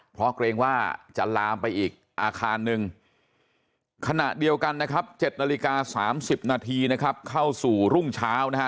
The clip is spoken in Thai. พอเกรงว่าจะลามไปอีกคณะเดียวกันนะครับ๗๓๐นเข้าสู่รุ่งเช้านะครับ